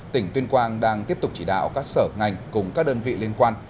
tỉnh tuyên quang đang tiếp tục chỉ đạo các sở ngành cùng các đơn vị liên quan